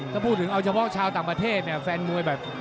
ถ้าพูดถึงเอาเฉพาะชาวต่างประเทศเนี่ยแฟนมวยแบบ